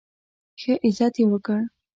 ښه عزت یې وکړ.